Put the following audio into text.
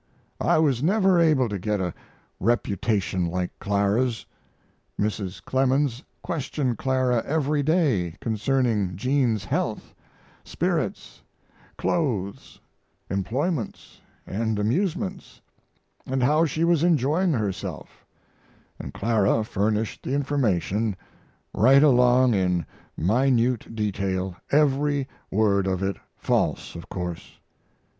I was never able to get a reputation like Clara's. Mrs. Clemens questioned Clara every day concerning Jean's health, spirits, clothes, employments, and amusements, and how she was enjoying herself; and Clara furnished the information right along in minute detail every word of it false, of course.